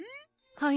はい。